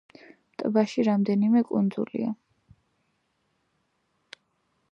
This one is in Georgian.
ტბაში რამდენიმე კუნძულია.